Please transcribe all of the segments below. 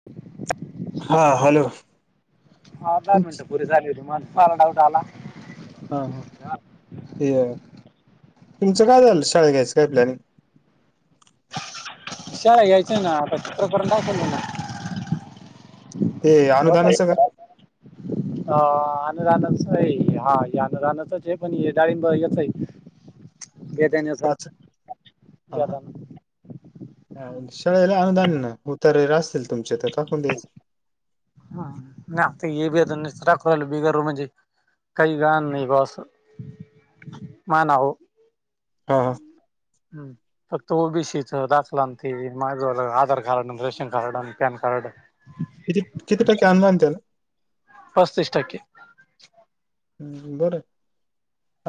[unintelligible] हा हॅलो. हा दहा तुमच मिनटं पुरी झाली होती. म्हणून च मला डाऊट आला. ह. ह. हे तुमचं काय झालं? शेळ्या घ्यायचं काय प्लॅनिंग? शेळ्या घ्यायच्याय ना. आता प्रकरण टाकले ना. ते अनुदानच का? अ अनुदानाचये. हा अनुदानाचचे पण हे डाळळींबच यचय. काच. ह. ह. बेदाना ह हम्म. शळ्यायला अनुदानेना. उतरे असतील तुमचे तर टाकून देयच. नही आती है बेदाण्याचे टाकू राहिलो. [unintelligible] काही गहाण नाही बा. अस मा नावाव. ह. ह. हम्म. फक्त ओबीसीचं दाखलान ते. माझ आधार कार्ड. Ration card. आणि पॅन कार्ड. किती, किती टक्के आणुदाने त्याला. पस्तीस टक्के. हम्म बरंय.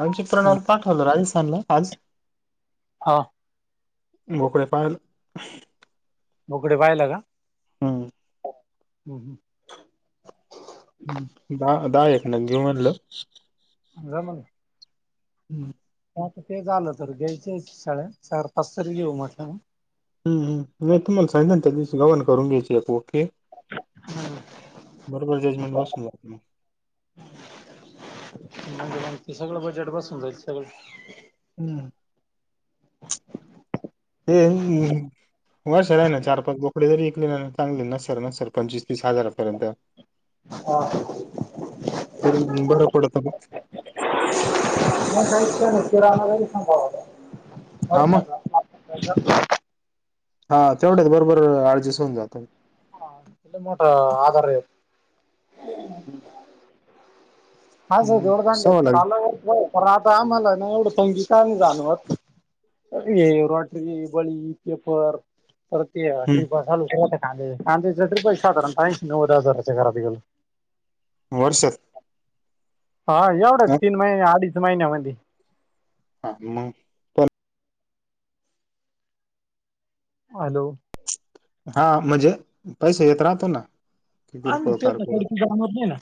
आमचे हम्म. प्रणवला पाठवलं. राजस्थानला आज. हो. बोकेपाय मोकडे पाहिला का? हम्म. हम्म हम्म. द दहा एक न घे म्हणलं. जाम ना. हम्म. ता ते झालं तर घ्यायच शाळ चार पाच तरी घेऊ म्हटलं. नाही तुम्हाला सांगित ना त्या दिवशी गवन करून घ्यायची आहे ओके. हम्म बरोबर जजमेंट बसून ला म म्हणजे म्ह त सगळं बजेट बसून जाई सगळं. हम्म. ते. होर सर आहे ना चार पाच बोकडे जरी ऐकले ना चांगले न सर न सर पंचवीस तीस हजारापर्यंत. ह. तरी बरं पडतं मग. म काहीचराला काही सां होता. हां, मग. का? हा तेवढ्याच बरोबर अडजेस होन जातो. हा इल् मोठा आधार आहे. हम्म हा ज जोड जाां लाख चालण आता आम्हाला ना एवढं पंगी का जाणवत. रोट्री बळी पेपर. तर ते हं, ट्रीप चालू कां कांदेच ट्र्रीप साधारण काहीव हजाराच्या घरात गेलो. वर्ष. हा एवढंच तीन महिने अडीच महिन्यामध्ये. हा मग हॅलो! हा म्हणजे पैसे येत राहतो ना. हा किरकोळ, मग ते कारकोळ खडकीमत नाही ना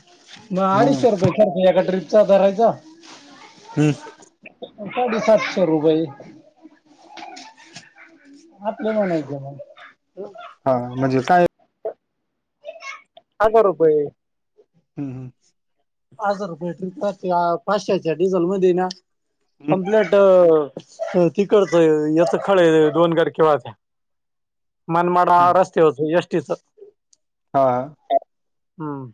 मग हं, अडीचशे रुपये सारखा एका ट्र्रीपचा धरायचा. हम्. साडे सातशे रुपये. आपलं म्हणायचं मग जाऊ दे. हा म्हणजे काय? हजार रुपये. हम्म हम्म. हजार रुपये पेट्रोल पाचशेच्या डिझल मध्ये ना हं, कंप्लीट. आ ती करतय याच खळ दोन गार केेव्हा त्याचा. मनमाड हं, रस्ते होत एसटी च. हा. हम्म.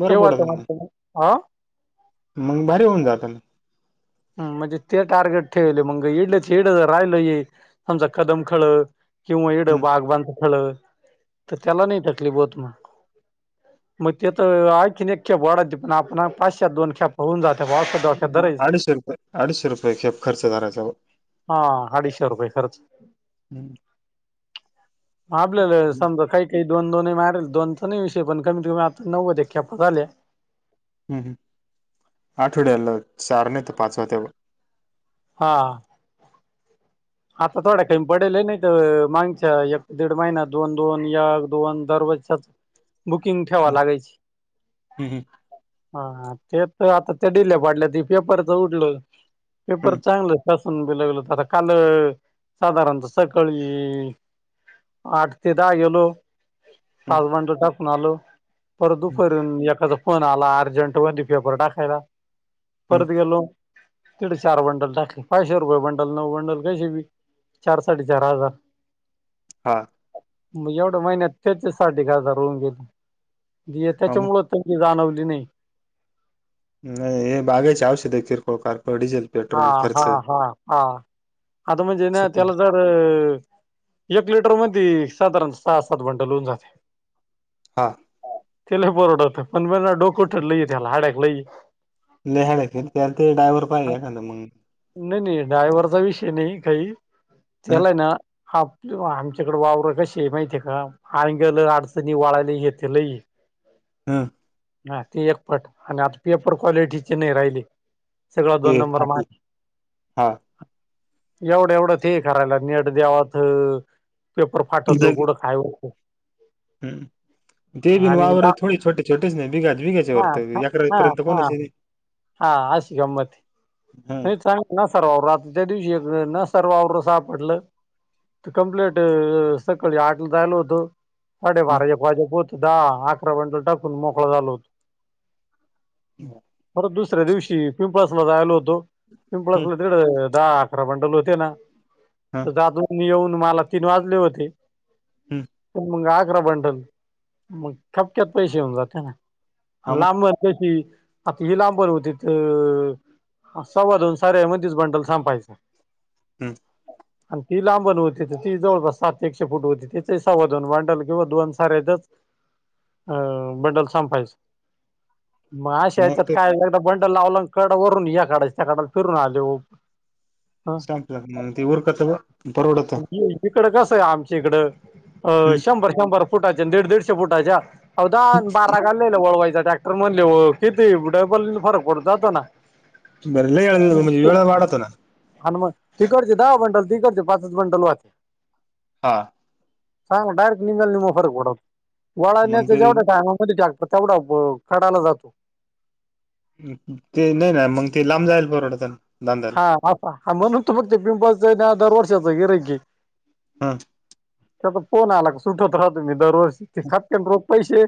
बरं तेव वा त पडतं मा्हा मग. स हा. मग भारी होऊन जात ना. हम् म्हणजे ते टार्गेट ठेवले मग इडले तर इड जर राहिल ये आमचा कदम खळ. किंवा इडं हं, बाग बांधच खळ तर त्याला नाही तकलीफ होत मग. मग तेथ ऐखी एक खेप वाढाते पण आपण पाचशे्या दोन ख्याप होऊन जाते पाश्या असं डोक्यात धरायचं. अडीचशे रुपये खेप खर्चरायचा. हा अडीचशे रुपये खर्च. हं, म्ह आपल्याला समजा काही. का दोन दोनही मारेल दोन त नाही विषय पण कमी कमी आता नव्व ते खेप्पा झाले. हम्म हम आठवड्याला चार नाही तर पाचवा त्या. हा आता थोड्या काही पडेल नाही तर मागच्या एक दीड महिना दोन दोन या दोन दरवाजच्या. ब बुकिंग ठेवा लागेची. हम्म हा ते तर आता त्या डिल्या पाडल्या त पेपरचं उठल. हम्म पेपर चांगलं शासून बि लागलं आता काल साधारणत सकाळी. आठ ते दहा गेलो हम्म पासबंड टाकून आलो. पर हम्म दुपारून एकाचा फोन आला अर्जंट व पेपर टाकायला. हम्म परत गेलो तेढे चार बंडल टाकले पायशे रुपये बंडल नऊ बंडल. कशी चार साडे चार हजार. हां मग एवढ्या महिन्यात त्याच्यासाठी घता रुम गेला हा मग त्याच्यामुळ. त्याची जाणवली नाही. नाही हे बागेचे औषध किरकोळ कारकोळ डीझल हा हा हा हा आता म्हणजे ना सुट तेला ज एक लिटर मधी साधारण सहा सात बंडल होऊन जात्या. हा. ते लई परवडतं पण मग डोकं ठरलं की त्याला त्याला हाड्याक लई. लिहाड त्या ते डायवर पाहिजे एखाद मंग नाही नाही ड्रायव्हरचा विषय नाही काही ह त्याला आहे ना आप आमच्याकडे वावर कशी माहितीे का अंग्यालं अडचणी वाळायला हे ते लई ये हा हा ते एक पट आणि आता पेपर क्वालिटीचे नाही राहिले सगळा दोन नंबर हम्म माग हा. एवढं एवढंच हे करायला नेट द्यावत पेपर फाटतो लगे कुड काय होत. हम्म. ते बिन आणि वावर बा थोडी छोटे छोटेच नाही बिगा बघाच्या वर हा हा अकरा पर्यंत हा कोणा. हा अशी गमत आहे. हम्म नाही चांगलं न सर वावर आता त्या दिवशी एक न सर वावरं सापडलं. कम्प्लीट सकाळी आठला जायल होतो. हम्म साडेबाराजेक वाजेप होत दहा अकरा म्हटल टाकून मोकळा झालो होतो. परत दुसऱ्या दिवशी पिंपळसला जाईल होतो हम्म पिंपळसला तिथं दहा-अकरा बंडल होते ना हा तर दादू येऊन मला तीन वाजले होते हम्म मग अकरा बंटल मग खपक्यात पैसे येऊन जा हा त्यांना मग लांबन कशी आता ही लांबर होती तर मग सव्वा दोन साऱ्यामध्ये बंडल संपायचा हम्म आणि ती लांबण होती तर ती जवळपास सात एकशे फूट होती त्याच सव्वादोन भांडल किंवा दोन साऱ्या [unintelligible] अ बंडल संपायचं मग अशा नाही याच्यात ते काय एकदा बंडल लावला कड वरून या काडा त्या काडला फिरून आल्यावर संपलं का मग ते उरकत ब्वा परवडत. इकड कसं आहे आमच्या इकडं अं हम्म शंभर शंभर फुटाच्या दीड दीडशे फुटाच्या आओ दहा बारा गल्ल्यांना वळवायचा ट्रॅक्टर म्हणाल्यावर किती डबल फरक पडून जातो ना. बर म्हणजे वेळा वाढतु ना आलो मग तिकडचे दहा बंडल, इकडचे पाचच बंडल होत्या. हां. सांग डायरेक्ट निम्याला निमा फरक पडतो वळायला मग न्यायचा ते जेवढ्या टाइम मध्ये ट्रॅक्ट तेवढा कडाला जातो. ते नाहीना मग ते लांब जाईल परवडत हा म्हणून तर म्हणतोय पिंपळासच ना दर वर्षाचा गिराईक ये. हा.. त्याचा फोनआला का सुटत राहतो मी दरवर्षी खपक्यात रोख पैसे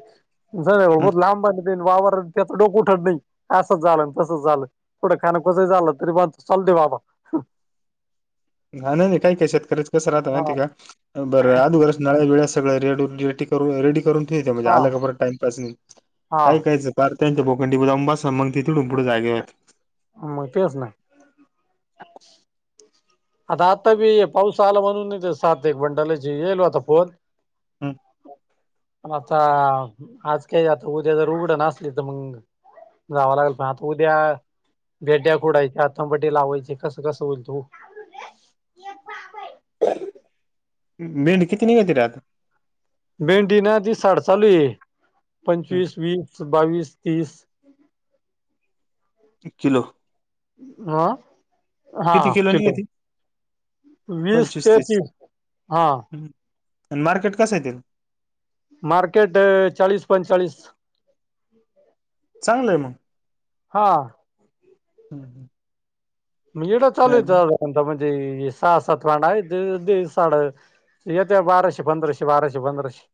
लांब आहे ते वावर त्याचं डोकं उठत नाही असच झाल, तसच झालं कुड कानकुज झालं तरी बस चालुदे बाबा. घाणा नाही काय ते शेतकऱ्याच कसं राहत माहिती हा आहे का बरं अगोदरच नागर, विडा सगळं रेड रेडी करून ठेवीते म्हणजे हा आलं का बर टाइमपास नाही हा काय कायचं पार त्यांच्या बोकांडी जाऊन बसा मग ते तिथून पुढ जागेवर येता. मा तेच ना. आता आता बी पाऊस आला म्हणून सात एक बंडलाचे येल होता फोन. हो [unintelligible] आता आज काही आता उद्या जर उघडं असली तर मंग जावा लागल पण आता उद्या भेंड्या खुळायच्या टमाटे लावायची कस, कस होईल तर हो. भेंडी किती निघती रे आता? भेंडीना दिसा आड चालू आहे पंचवीस, वीस, बावीस, तीस. एक किलो. हं हा किती किलो चिडु. निघती वीस, पंचवीस तेहतीस हा. अन मार्केट कसं आहे तेला? मार्केट चाळीस, पंचेचाळीस. [inaudible] चांगलं आहे मग. हा. इथ चालु आहे म्हणजे सहा, सात [unintelligible] येत्या बाराशे, पंधराशे, बाराशे, पंधराशे.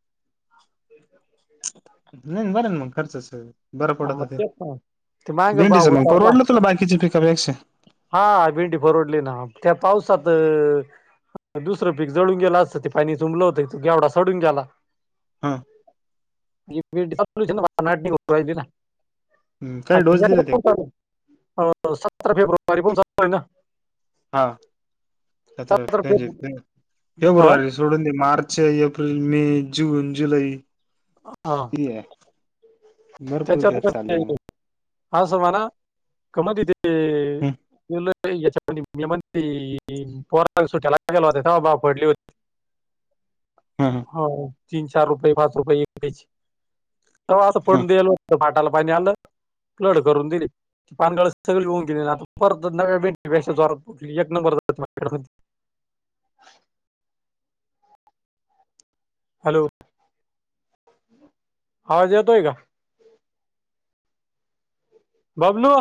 [unintelligible] नाही बरं मग खर्चाच. बरं हा पडत मग ते तेच ना ते मागे भाव भिंडीचं मग उतरला परवडलं तुला बाकीचे पिक बेकक्षा? हा भिंडी परवडली ना त्या पावसात. दुसरं पीक जळून गेला असत ते पाणी चुंबलं घेवढा सडून गेला. हां. [unintelligible] काही डोस दिले ते [inaudible] सत्तर हा [unintelligible] सतरा फेब्रुवारी हा फेब्रुवारी सोडुन दे मार्च, एप्रिल, मे, जून, जुलै. हा. ये भरपूर दिवस चालले म. हाऊसा म्हण ना का मधी ते [unintelligible] पोराला सुट्ट्या लागल्या होत्या तेव्हाच ते भाव पडले होते. हो तीन, चार, रुपये, पाच रुपये, एकट्या चे. तवा हा असुन देल होत पाटाला पाणि आल फ्लड करुन दिली. पानगळ सगळी येऊन गेले परत नव्या पेक्षा जोरात एक नंबर [unintelligible] हॅलो. आवाज येतोय का? बबलू.